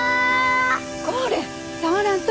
これ触らんと。